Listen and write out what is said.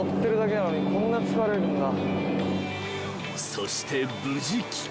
［そして無事帰還］